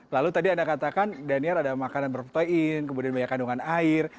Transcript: lalu tadi anda katakan daniel ada makanan protein kemudian banyak kandungan air